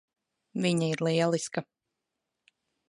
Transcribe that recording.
Viņa ir lieliska.